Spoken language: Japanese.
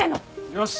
よし！